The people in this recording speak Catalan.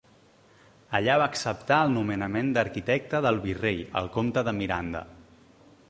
Allà va acceptar el nomenament d'arquitecte del virrei, el comte de Miranda.